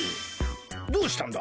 どうしたんだ？